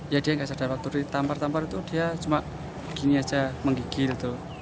ya dia nggak sadar waktu ditampar tampar itu dia cuma begini aja menggigil tuh